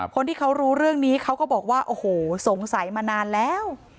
คนที่เขารู้เรื่องนี้เขาก็บอกว่าโอ้โหสงสัยมานานแล้ว